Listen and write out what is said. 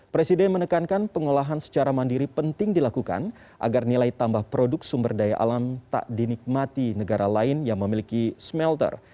presiden menekankan pengolahan secara mandiri penting dilakukan agar nilai tambah produk sumber daya alam tak dinikmati negara lain yang memiliki smelter